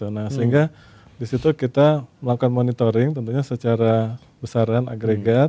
nah sehingga disitu kita melakukan monitoring tentunya secara besaran agregat